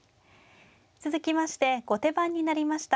続きまして後手番になりました